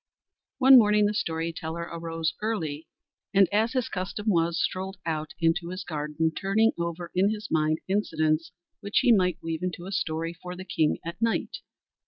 One morning the story teller arose early, and as his custom was, strolled out into his garden, turning over in his mind incidents which he might weave into a story for the king at night.